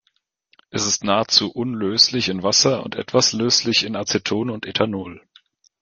Es ist nahezu unlöslich in Wasser und etwas löslich in Aceton und Ethanol.